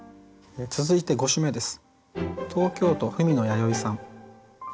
続いて５首目です。